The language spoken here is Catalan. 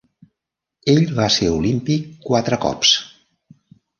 Ell va ser olímpic quatre cops.